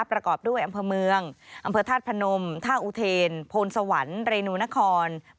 ประกอบด้วยอำเภอเมืองอำเภอธาตุพนมท่าอุเทนโพนสวรรค์เรนูนคร